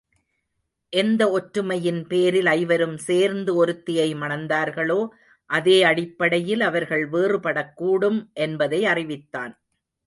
எந்த ஒற்றுமையின் பேரில் ஐவரும் சேர்ந்து ஒருத்தியை மணந்தார்களோ அதே அடிப்படையில் அவர்கள் வேறு படக்கூடும் என்பதை அறிவித்தான்.